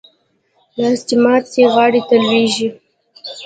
لاس چې مات شي ، غاړي ته لوېږي .